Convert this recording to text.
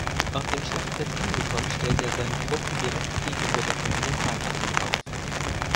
Auf dem Schlachtfeld angekommen, stellte er seine Truppen direkt gegenüber der Kontinentalarmee auf.